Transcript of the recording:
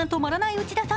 内田さん。